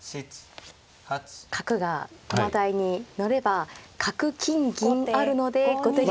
角が駒台に載れば角金銀あるので後手玉が。